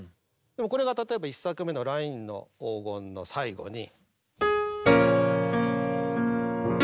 でもこれが例えば１作目の「ラインの黄金」の最後に。